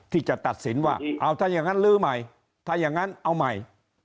ที่จะตัดสินว่าเอาถ้าอย่างนั้นลื้อใหม่ถ้าอย่างนั้นเอาใหม่